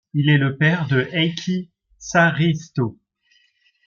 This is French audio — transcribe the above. Il est le père de Heikki Saaristo.